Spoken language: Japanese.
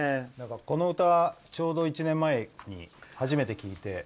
この歌、ちょうど１年前に初めて聴いて。